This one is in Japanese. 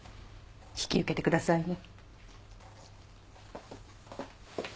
引き受けてくださいね。